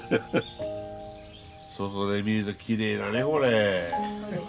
外で見るときれいだねこれ。